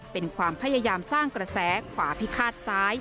เป็นความพยายามสร้างกระแสขวาพิฆาตซ้าย